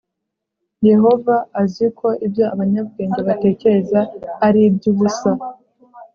yehova azi ko ibyo abanyabwenge batekereza ari iby’ubusa